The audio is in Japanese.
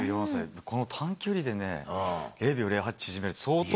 この短距離で０秒０８縮める